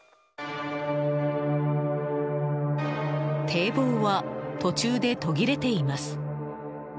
堤防は途中で途切れています。